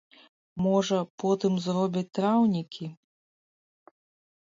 Можа, потым зробяць траўнікі?